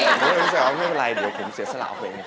เดี๋ยวจะรู้สึกว่าไม่เป็นไรเดี๋ยวผมเสียสละเอาเพลง